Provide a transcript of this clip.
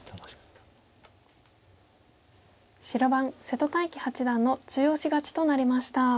白番瀬戸大樹八段の中押し勝ちとなりました。